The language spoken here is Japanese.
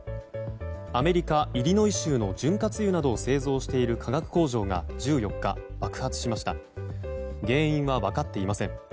アメリカ・イリノイ州の潤滑油などを製造している化学工場が１４日爆発しました。